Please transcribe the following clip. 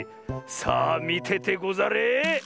さあみててござれ！